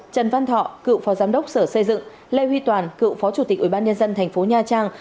trần văn thọ cựu phó giám đốc sở xây dựng lê huy toàn cựu phó chủ tịch ủy ban nhân dân thành phố nha trang